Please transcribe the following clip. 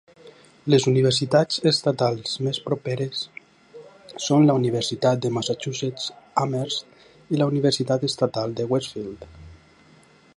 Les universitats estatals més properes són la Universitat de Massachusetts Amherst i la Universitat Estatal de Westfield.